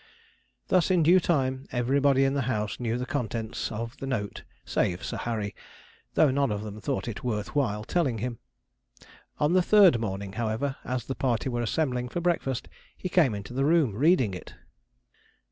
Thus, in due time, everybody in the house knew the contents of the note save Sir Harry, though none of them thought it worth while telling him of it. On the third morning, however, as the party were assembling for breakfast, he came into the room reading it.